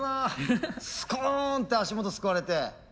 スコンって足元すくわれて。